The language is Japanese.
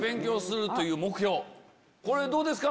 これどうですか？